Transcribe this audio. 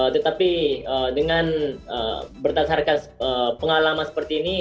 tetapi dengan berdasarkan pengalaman seperti ini